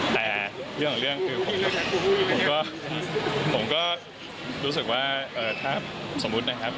แต่เรื่องของเรื่องคือผมก็รู้สึกว่าถ้าสมมุตินะครับ